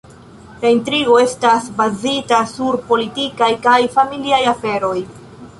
La intrigo estas bazita sur politikaj kaj familiaj aferoj.